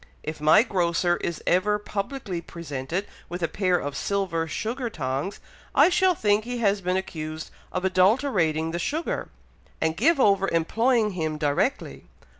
If my grocer is ever publicly presented with a pair of silver sugar tongs, I shall think he has been accused of adulterating the sugar, and give over employing him directly."